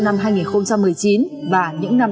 năm hai nghìn một mươi chín và những năm